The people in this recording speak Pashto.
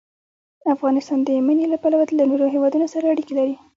افغانستان د منی له پلوه له نورو هېوادونو سره اړیکې لري.